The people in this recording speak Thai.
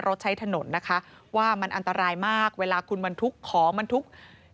รถใช้ถนนนะคะว่ามันอันตรายมากเวลาคุณบรรทุกของบรรทุก